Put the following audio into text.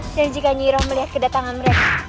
dan jika nyiroh melihat kedatangan mereka